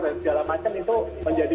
dan segala macam itu menjadi